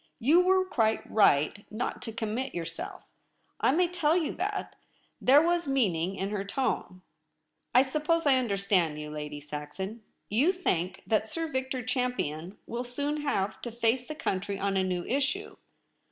' You were quite right not to commit yourself, I may tell you ^/la^.' There was meaning in her tone. ' I suppose I understand you, Lady Saxon. You think that Sir Victor Champion will soon ] ave to face the country on a new issue.